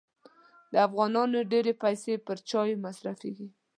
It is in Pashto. د افغانانو ډېري پیسې پر چایو مصرفېږي.